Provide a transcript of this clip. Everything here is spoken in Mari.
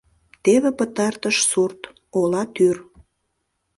Теве пытартыш сурт, ола тӱр.